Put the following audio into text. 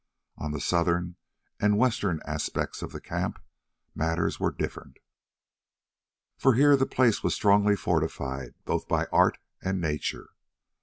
On the southern and western aspects of the camp matters were different, for here the place was strongly fortified both by art and nature.